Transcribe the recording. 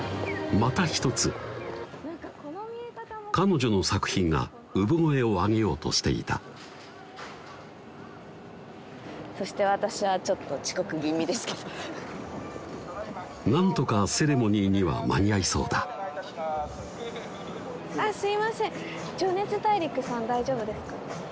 また一つ彼女の作品が産声を上げようとしていたそして私はちょっと遅刻気味ですけどなんとかセレモニーには間に合いそうだあっすいません「情熱大陸」さん大丈夫ですか？